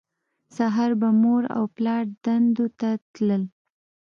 سهار به مور او پلار دندو ته تلل